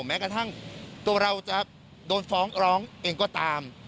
แม้กระทั่งตัวเราจะโดนฟ้องร้องเองก็ตาม